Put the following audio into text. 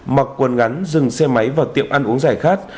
mặc quần ngắn dừng xe máy vào tiệm ăn uống giải khát